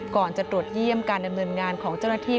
ก่อนจะตรวจเยี่ยมการดำเนินงานของเจ้าหน้าที่